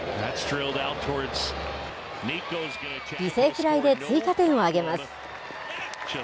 犠牲フライで追加点を上げます。